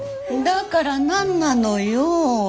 だから何なのよ。